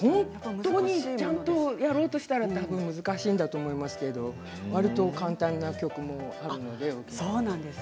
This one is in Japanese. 本当にやるとしたら多分難しいんだと思うんですけれどもわりと簡単な曲もあるので。